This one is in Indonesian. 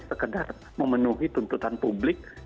sekedar memenuhi tuntutan publik